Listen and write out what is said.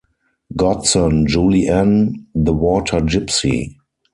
Godson, Julie Ann, The Water Gypsy.